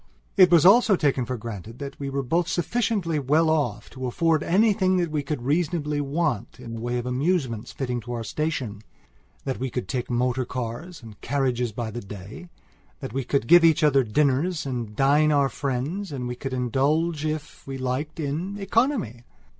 It was also taken for granted that we were both sufficiently well off to afford anything that we could reasonably want in the way of amusements fitting to our stationthat we could take motor cars and carriages by the day; that we could give each other dinners and dine our friends and we could indulge if we liked in economy.